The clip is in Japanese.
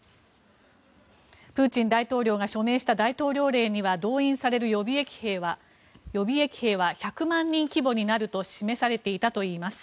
プーチン大統領が署名した大統領令には動員される予備役兵は１００万人規模になると示されていたといいます。